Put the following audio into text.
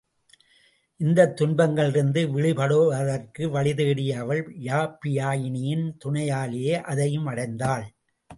இந்தத் துன்பங்களிலிருந்து விடுபடுவதற்கு வழிதேடிய அவள், யாப்பியாயினியின் துணையாலேயே அதையும் அடைந்தாள்.